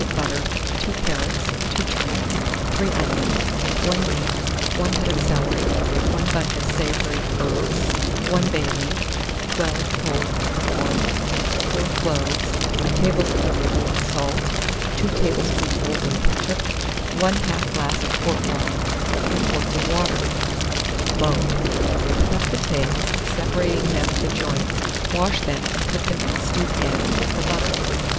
of butter, 2 carrots, 2 turnips, 3 onions, 1 leek, 1 head of celery, 1 bunch of savoury herbs, 1 bay leaf, 12 whole peppercorns, 4 cloves, a tablespoonful of salt, 2 tablespoonfuls of ketchup, 1/2 glass of port wine, 3 quarts of water. Mode. Cut up the tails, separating them at the joints; wash them, and put them in a stewpan, with the butter.